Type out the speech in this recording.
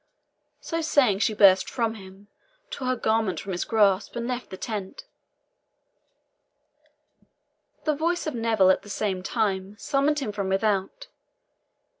So saying, she burst from him, tore her garment from his grasp, and left the tent. The voice of Neville, at the same time, summoned him from without.